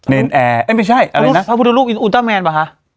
เนลแอ่เอ้ยไม่ใช่อะไรนะใครประทับรุ่นลูกอยู่๔๑ปีแมนปะค่ะ